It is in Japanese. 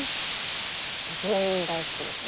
全員大好きですね。